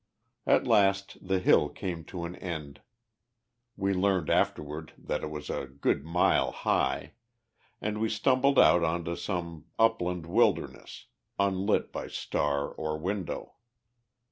At last the hill came to an end we learned afterward that it was a good mile high and we stumbled out on to some upland wilderness, unlit by star or window.